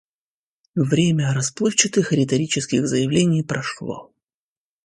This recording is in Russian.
Время расплывчатых риторических заявлений прошло.